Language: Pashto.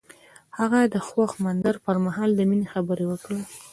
هغه د خوښ منظر پر مهال د مینې خبرې وکړې.